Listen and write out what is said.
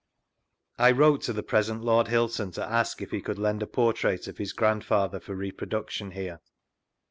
I wrote to the present Lord Hylton to ask if he could lend a portrait of his Grandfather for repro duction here.